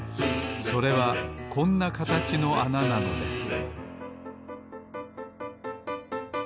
それはこんなかたちのあななのです